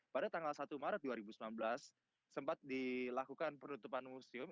pada tanggal satu maret dua ribu sembilan belas sempat dilakukan penutupan museum